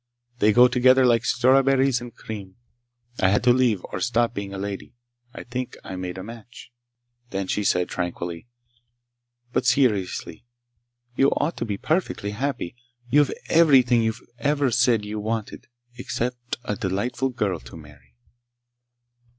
They go together like strawberries and cream! I had to leave, or stop being a lady. I think I made a match." Then she said tranquilly: "But seriously, you ought to be perfectly happy. You've everything you ever said you wanted, except a delightful girl to marry."